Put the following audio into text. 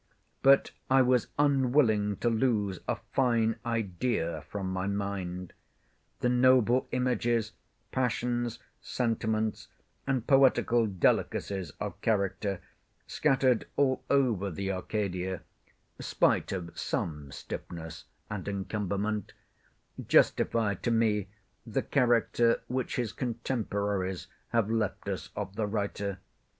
But I was unwilling to lose a fine idea from my mind. The noble images, passions, sentiments, and poetical delicacies of character, scattered all over the Arcadia (spite of some stiffness and encumberment), justify to me the character which his contemporaries have left us of the writer.